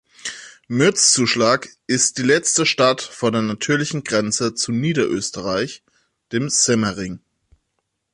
Mürzzuschlag ist die letzte Stadt vor der natürlichen Grenze zu Niederösterreich, dem Semmering.